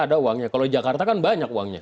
ada uangnya kalau jakarta kan banyak uangnya